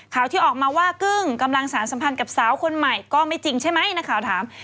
ข่าวที่ออกมาว่ากึ้งกำลังสารสัมพันธ์กับสาวคนใหม่ก็ไม่จริงใช่ไหมนักข่าวถาม